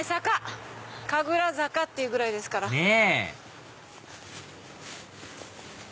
神楽坂っていうぐらいですから。ねぇ！